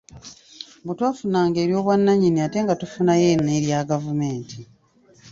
Bwe twafunanga ery’obwannannyini ate nga tufunayo n’erya gavumenti.